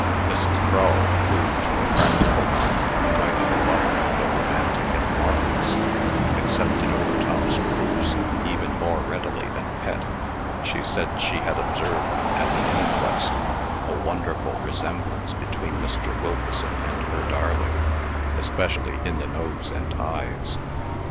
Mrs. Crull, who to a practical mind united a love of the romantic and marvellous, accepted Overtop's proofs even more readily than Pet. She said she had observed, at the inquest, a wonderful resemblance between Mr. Wilkeson and her darling, especially in the nose and eyes.